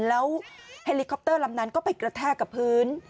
แล้วเฮลิคอปเตอร์ลำนั้นก็ไปกระแทกกับพื้น